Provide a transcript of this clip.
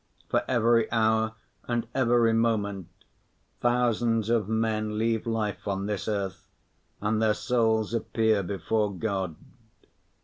For every hour and every moment thousands of men leave life on this earth, and their souls appear before God.